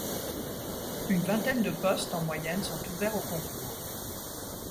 Une vingtaine de postes en moyenne sont ouverts au concours.